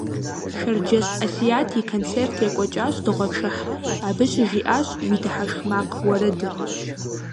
Шэрджэс Асият и концерт екӏуэкӏащ дыгъуэпшыхь, абы щыжиӏащ «Уи дыхьэшх макъ» уэрэдыр.